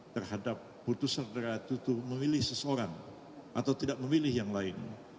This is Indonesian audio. terhadap putus asa terhadap memilih seseorang atau tidak memilih yang lain